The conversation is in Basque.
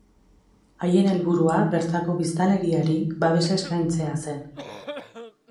Haien helburua bertako biztanleriari babesa eskaintzea zen.